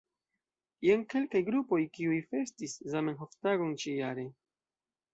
Jen kelkaj grupoj, kiuj festis Zamenhof-tagon ĉi-jare.